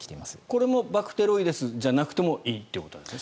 これもバクテロイデスじゃなくてもいいということなんですね。